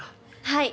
はい。